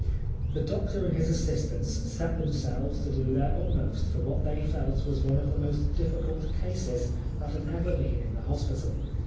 The doctor and his assistants set themselves to do their utmost for what they felt was one of the most difficult cases that had ever been in the hospital.